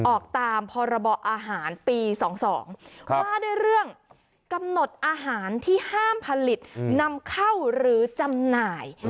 ออกตามพรบอาหารปี๒๒ว่าด้วยเรื่องกำหนดอาหารที่ห้ามผลิตนำเข้าหรือจำหน่าย